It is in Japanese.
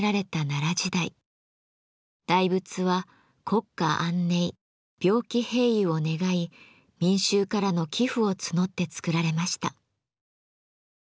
大仏は国家安寧病気平癒を願い民衆からの寄付を募って造られました。